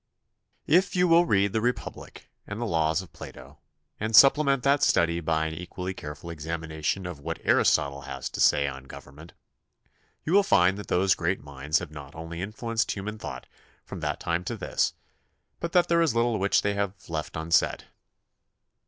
If you will read The Republic and The Laws of Plato, and supplement that study by an equally careful examination of what Aristotle has to 48 THE CONSTITUTION AND ITS MAKERS say on government, you will find that those great minds have not only influenced human thought from that time to this, but that there is little which they left unsaid.